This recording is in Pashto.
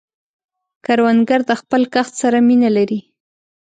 کروندګر د خپل کښت سره مینه لري